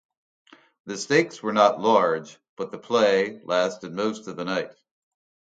The stakes were not large, but the play lasted most of the night...